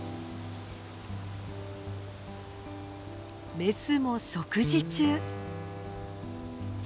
メスも食事中。